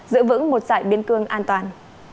giữ vững một dạy biên cương an toàn